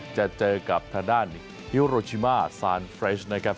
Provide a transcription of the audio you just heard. จะเจอกับทางด้านฮิโรชิมาซานเฟรชนะครับ